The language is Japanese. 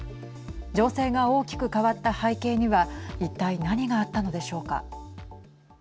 情勢が大きく変わった背景には一体何があったのでしょうか。